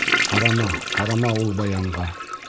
Ҡарама, ҡарама ул баянға.